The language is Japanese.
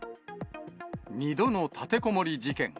２度の立てこもり事件。